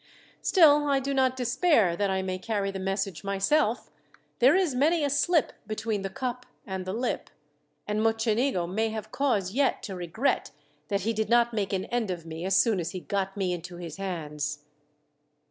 Still, I do not despair that I may carry the message myself. There is many a slip between the cup and the lip, and Mocenigo may have cause, yet, to regret that he did not make an end of me as soon as he got me into his hands."